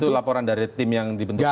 itu laporan dari tim yang dibentuk tadi